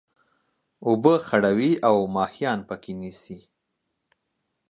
اوبه خړوي او ماهيان پکښي نيسي.